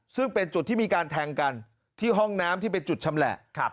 ซึ่งเป็นจุดที่มีการแทงกันที่ห้องน้ำที่เป็นจุดชำแหละ